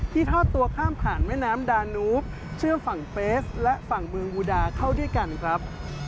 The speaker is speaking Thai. ทอดตัวข้ามผ่านแม่น้ำดานูฟเชื่อมฝั่งเฟสและฝั่งเมืองบูดาเข้าด้วยกันครับ